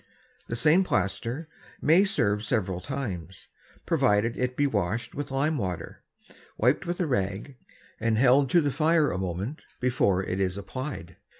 The same Plaister may serve several Times, provided it be washed with Lime Water, wiped with a Rag, and held to the Fire a Moment before it is apply'd.